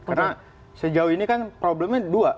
karena sejauh ini kan problemnya dua